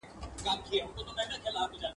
له ناروغۍ څخه د خلاصون لار پاکوالی دئ.